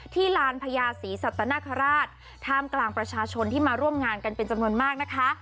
ลานพญาศรีสัตนคราชท่ามกลางประชาชนที่มาร่วมงานกันเป็นจำนวนมากนะคะ